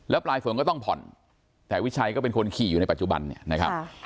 ปลายฝนก็ต้องผ่อนแต่วิชัยก็เป็นคนขี่อยู่ในปัจจุบันเนี่ยนะครับ